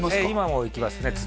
今も行きますね